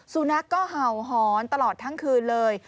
สุนัขก็เห่าหอนตลอดทั้งคืนเลย